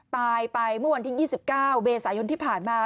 ตายไปเมื่อวันที่๒๙เมษายนที่ผ่านมา